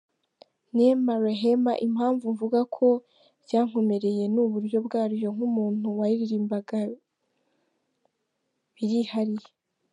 Neema Rehema: Impamvu mvuga ko ryankomereye, ni uburyo bwaryo nk’ukuntu wayiririmba birihariye.